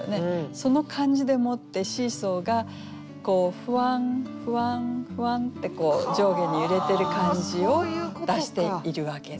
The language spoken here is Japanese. その感じでもってシーソーがふわんふわんふわんって上下に揺れてる感じを出しているわけですね。